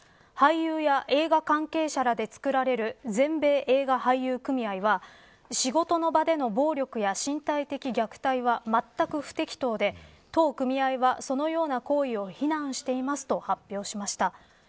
俳優や映画関係者らで作られる全米映画俳優組合は仕事の場での暴力や身体的虐待は全く不適当で当組合はそのような行為を非難していますと発表しました。